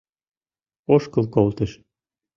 Ошкыл колтыш.